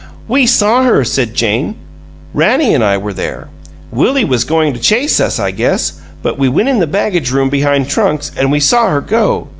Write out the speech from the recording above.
"We saw her," said Jane. "Rannie an' I were there. Willie was goin' to chase us, I guess, but we went in the baggage room behind trunks, an' we saw her go.